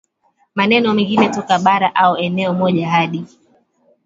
maeneo mengine toka bara au eneo moja hadi